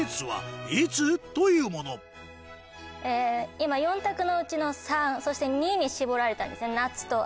今４択のうちの３そして２に絞られたんですね。